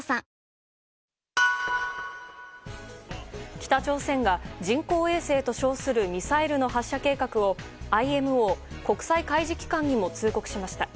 北朝鮮が人工衛星と称するミサイルの発射計画をＩＭＯ・国際海事機関にも通告しました。